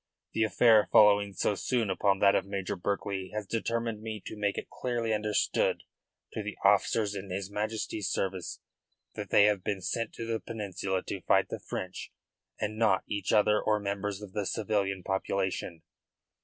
The affair following so soon upon that of Major Berkeley has determined me to make it clearly understood to the officers in his Majesty's service that they have been sent to the Peninsula to fight the French and not each other or members of the civilian population.